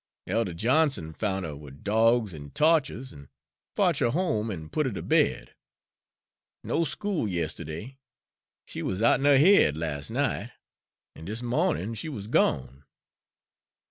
Elder Johnson foun' 'er wid dawgs and tawches, an' fotch her home an' put her ter bed. No school yistiddy. She wuz out'n her haid las' night, an' dis mawnin' she wuz gone."